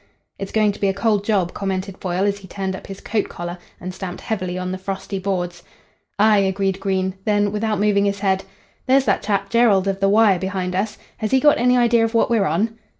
"It's going to be a cold job," commented Foyle, as he turned up his coat collar and stamped heavily on the frosty boards. "Ay," agreed Green. Then, without moving his head: "There's that chap Jerrold of the Wire behind us. Has he got any idea of what we're on?"